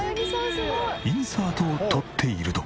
インサートを撮っていると。